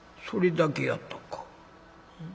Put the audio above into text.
「それだけやったか。